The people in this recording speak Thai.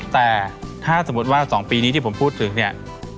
แต่ถ้าสมมุติว่า๒ปีนี้ที่ผมพูดถึงเนี่ย